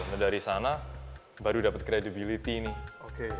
nah dari sana baru dapat credibility nih